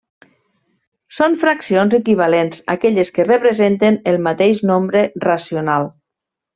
Són fraccions equivalents aquelles que representen el mateix nombre racional.